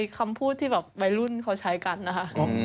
ก็คือช่วยคำพูดที่แบบวัยรุ่นเค้าใช้กันนะคะ